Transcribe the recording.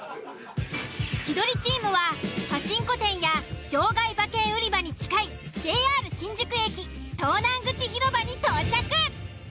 千鳥チームはパチンコ店や場外馬券売り場に近いＪＲ新宿駅東南口広場に到着。